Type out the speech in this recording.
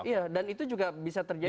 iya dan itu juga bisa terjadi